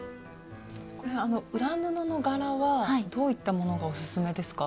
裏布の柄はどういったものがおすすめですか？